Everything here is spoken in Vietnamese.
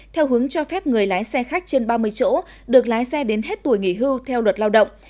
theo hướng cho phép người lái xe khách trên ba mươi chỗ được lái xe đến hết tuổi nghỉ hưu theo luật lao động